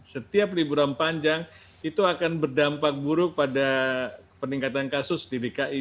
setiap liburan panjang itu akan berdampak buruk pada peningkatan kasus di dki